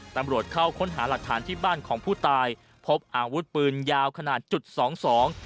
ตำรวจเข้าค้นหาหลักฐานที่บ้านของผู้ตายพบอาวุธปืนยาวขนาดจุดสองสอง